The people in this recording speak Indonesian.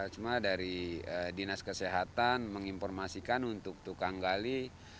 cuma dari dinas kesehatan menginformasikan untuk tukang gali